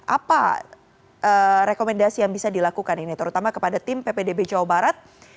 apa rekomendasi yang bisa dilakukan ini terutama kepada tim ppdb jawa barat